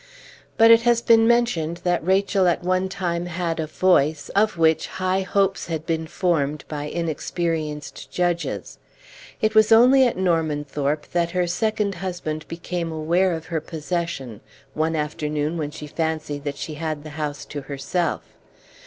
But it has been mentioned that Rachel at one time had a voice, of which high hopes had been formed by inexperienced judges. It was only at Normanthorpe that her second husband became aware of her possession, one afternoon when she fancied that she had the house to herself.